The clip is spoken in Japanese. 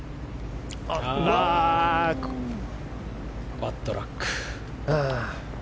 バッドラック。